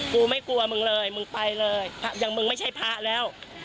กูไม่กลัวมึงเลยมึงไปเลยอย่างมึงไม่ใช่พระแล้ว